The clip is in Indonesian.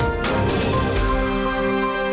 sampai jumpa di jember